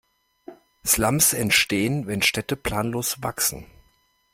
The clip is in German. Slums entstehen, wenn Städte planlos wachsen.